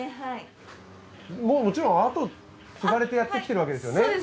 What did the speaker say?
もちろん後を継がれてやってきてるわけですよね？